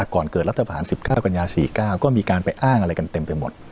ก่อนเกิดรัฐผ่าน๑๙กันยา๔๙ก็มีการไปอ้างอะไรกันเต็มไปหมด